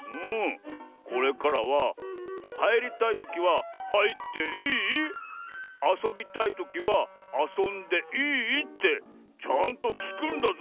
これからははいりたいときは「はいっていい？」あそびたいときは「あそんでいい？」ってちゃんときくんだぞ。